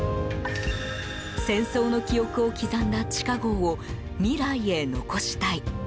戦争の記憶を刻んだ地下壕を未来へ残したい。